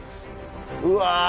うわ